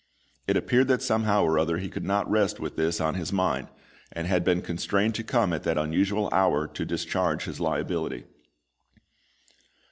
It appeared that somehow or other he could not rest with this on his mind, and had been constrained to come at that unusual hour to discharge his liability.